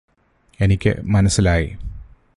എനിക്ക് മനസ്സിലായി